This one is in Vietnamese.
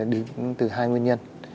điểm từ hai nguyên nhân